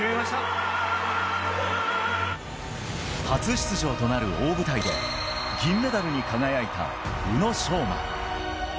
初出場となる大舞台で銀メダルに輝いた宇野昌磨。